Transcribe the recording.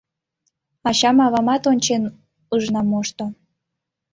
Ачам-авамат ончен ыжна мошто.